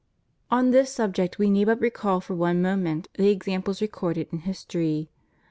225 On this subject we need but recall for one moment the examples recorded in history.